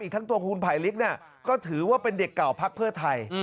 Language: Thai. อีกทั้งตรงคุณภัยฤทธิ์นี่ก็ถือว่าเป็นเด็กเก่าภักดิ์เพื่อไทย